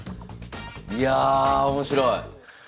いや面白い。